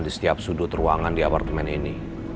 di setiap sudut ruangan di apartemen ini